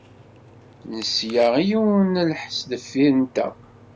Nesla i yiwen n lḥess deffir-nteɣ.